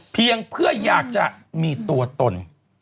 เพียงเพื่ออยากจะมีตัวตน